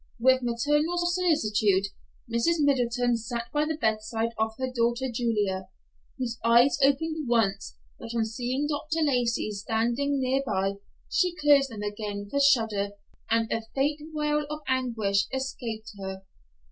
With maternal solicitude, Mrs. Middleton sat by the bedside of her daughter Julia, whose eyes opened once, but on seeing Dr. Lacey standing near by, she closed them again with a shudder, and a faint wail of anguish escaped her.